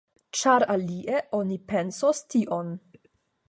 Ĉar alie oni pensos tion.